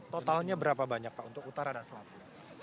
totalnya berapa banyak pak untuk utara dan selatan